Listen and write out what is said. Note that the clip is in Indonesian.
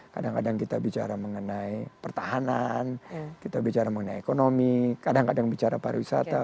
kadang kadang kita bicara mengenai pertahanan kita bicara mengenai ekonomi kadang kadang bicara pariwisata